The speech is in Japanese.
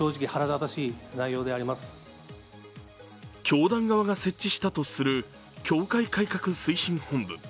教団側が設置したとする教会改革推進本部。